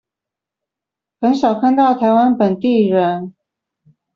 很少看到台灣本地人